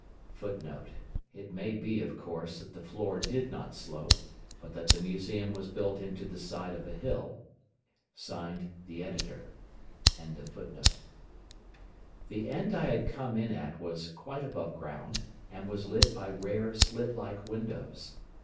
[Footnote: It may be, of course, that the floor did not slope, but that the museum was built into the side of a hill.—ED.] The end I had come in at was quite above ground, and was lit by rare slit like windows.